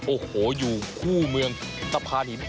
โอ้โหอยู่คู่เมืองตะพานหิน